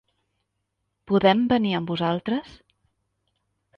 Podem venir amb vosaltres?